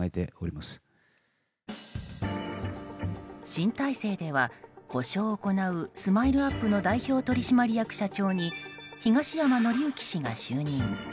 新体制では補償を行うＳＭＩＬＥ‐ＵＰ．の代表取締役社長に東山紀之氏が就任。